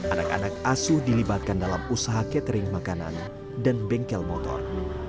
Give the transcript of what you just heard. anak anak asuh dilibatkan dalam usaha catering makanan dan bengkel motor